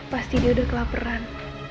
pasti dia udah kelaperan